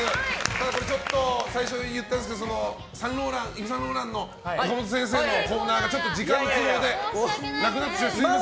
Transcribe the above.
ちょっと最初に言ったんですけどイヴ・サンローランの岡本先生のコーナーは時間の都合でなくなってしまいました。